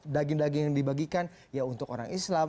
daging daging yang dibagikan ya untuk orang islam